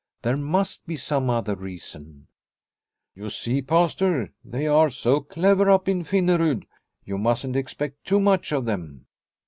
There must be some other reason. " You see, Pastor, they are so clever up in Finnerud ! You mustn't expect too much of them."